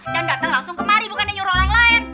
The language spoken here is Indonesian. dan datang langsung kemari bukan nyuruh orang lain